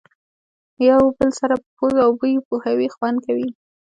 یو بل سره په پوزو او بوی پوهوي خوند کوي.